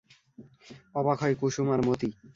অবাক হয় কুসুম, আর মতি।